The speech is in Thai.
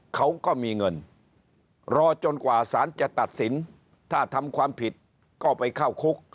เขาก็มีเงินรอจนกว่าสารจะตัดสินถ้าทำความผิดก็ไปเข้าคุก